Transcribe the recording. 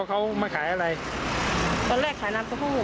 พวกเขาได้มาขายนานไปเขาก็เริ่มเปลี่ยนนิสัยอะไรอย่างนั้น